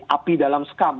api dalam skam